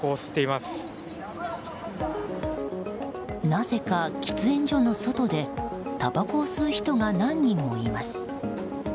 なぜか喫煙所の外でたばこを吸う人が何人もいます。